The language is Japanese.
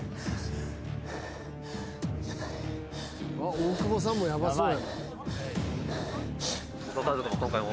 大久保さんもヤバそう。